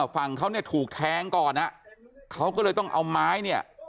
ฝั่งเขาถูกแท้งก่อนเขาก็เลยต้องเอาไม้